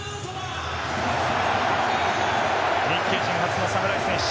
日系人初の侍戦士。